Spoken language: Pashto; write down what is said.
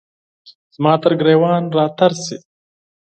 زما ترګریوان را تیر شي